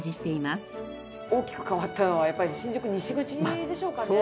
大きく変わったのはやっぱり新宿西口でしょうかね？